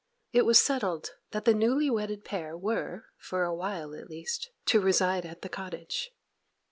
It was settled that the newly wedded pair were, for a while at least, to reside at the cottage.